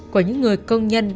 của những người công nhân